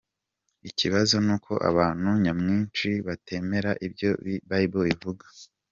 Ikibazo nuko abantu nyamwinshi batemera ibyo Bible ivuga.